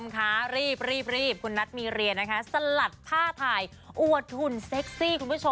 ขารีบคุณนัทมีเรียสลัดผ้าถ่ายอวดฝนเซ็กซี่